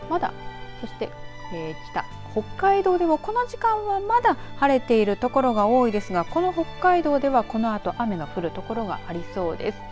そして北、北海道ではこの時間はまだ晴れている所が多いですがこの北海道では、このあと雨の降る所がありそうです。